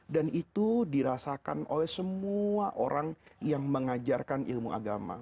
dan itu dirasakan oleh semua orang yang mengajarkan ilmu agama